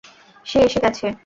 সে এসে গেছে।